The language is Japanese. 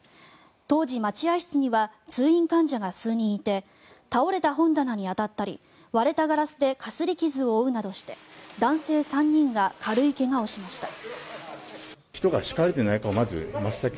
当時、待合室には通院患者が数人いて倒れた本棚に当たったり割れたガラスでかすり傷を負うなどして男性３人が軽い怪我をしました。